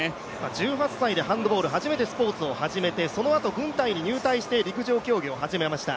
１８歳でハンドボール、初めてスポーツを始めてそのあと軍隊に入隊して陸上競技を始めました。